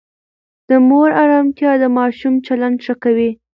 د مور آرامتیا د ماشوم چلند ښه کوي.